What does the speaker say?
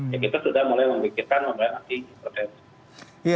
ya kita sudah mulai memikirkan obat obatan anti hipertensi